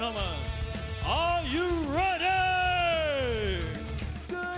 สวัสดีครับทุกคน